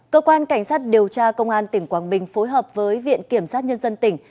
cơ quan cảnh sát điều tra công an tỉnh quảng bình phối hợp với viện kiểm sát nhân dân tỉnh